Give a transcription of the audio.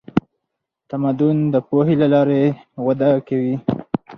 تمدن د پوهې له لارې وده کوي.